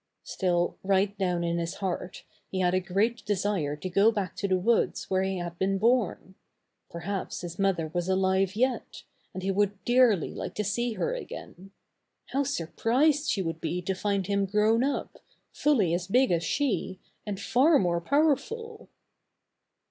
Still right down in his heart he had a great desire to go back to the woods where he had been born. Perhaps his mother was alive yet, and he would dearly like to see her again. How surprised she would be to find him grown up, fully as big as she, and far more powerful